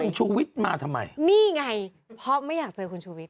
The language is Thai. คุณชูวิทย์มาทำไมนี่ไงเพราะไม่อยากเจอคุณชูวิท